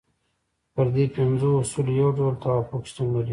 پر دې پنځو اصولو یو ډول توافق شتون لري.